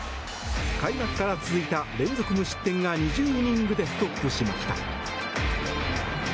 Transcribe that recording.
開幕から続いた連続無失点が２０イニングでストップしました。